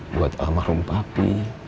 buat almarhum papi